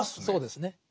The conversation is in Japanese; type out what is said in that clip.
そうですね。